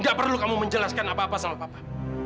tidak perlu kamu menjelaskan apa apa sama papa